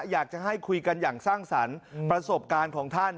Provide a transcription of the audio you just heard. อยากจะให้คุยกันอย่างสร้างสรรค์ประสบการณ์ของท่าน